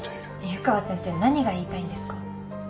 湯川先生何が言いたいんですか？